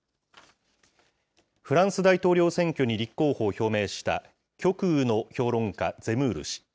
フランス大統領選挙に立候補を表明した極右の評論家、ゼムール氏。